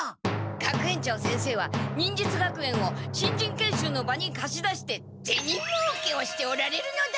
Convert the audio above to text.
学園長先生は忍術学園を新人研修の場にかし出してゼニもうけをしておられるのだ！